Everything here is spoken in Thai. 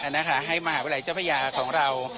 ให้มหาวิทยาลัยเจ้าพญาของเรา